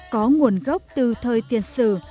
có nguồn gốc từ thời tiền sử